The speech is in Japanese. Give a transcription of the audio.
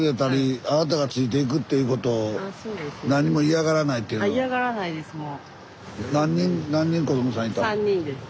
嫌がらないですもう。